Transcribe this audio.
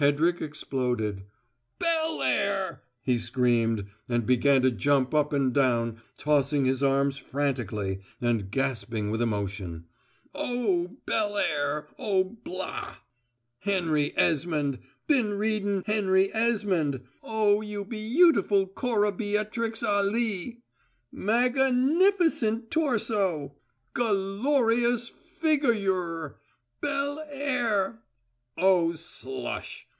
Hedrick exploded. "`_Bel air_'!" he screamed, and began to jump up and down, tossing his arms frantically, and gasping with emotion. "Oh, bel air! Oh, blah! `Henry Esmond!' Been readin' `Henry Esmond!' Oh, you be yoo tiful Cora Beatrix a lee! Magganifisent torso! Gull_o_ rious figgi your! Bel air! Oh, slush!